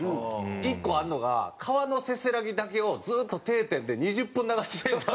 一個あるのが川のせせらぎだけをずっと定点で２０分流してるやつあるんですよ。